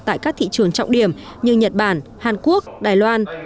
tại các thị trường trọng điểm như nhật bản hàn quốc đài loan